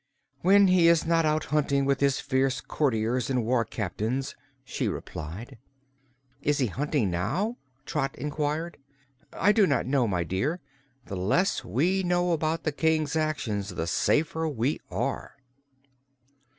"When he is not out hunting with his fierce courtiers and war captains," she replied. "Is he hunting now?" Trot inquired. "I do not know, my dear. The less we know about the King's actions the safer we are."